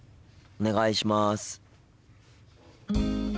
お願いします。